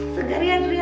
segar ya deryana